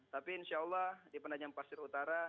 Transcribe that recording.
tapi insya allah di penajam pasir utara